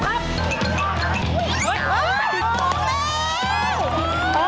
พีนิด